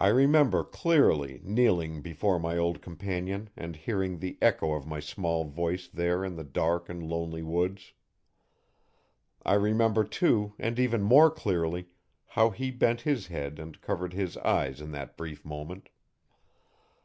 I remember, clearly, kneeling before my old companion and hearing the echo of my small voice there in the dark and lonely woods. I remember too, and even more clearly, how he bent his head and covered his eyes in that brief moment.